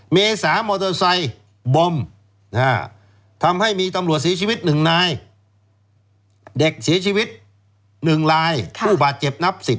เมษามอเตอร์ไซค์บอมทำให้มีตำรวจเสียชีวิต๑นายเด็กเสียชีวิต๑ลายผู้บาดเจ็บนับ๑๐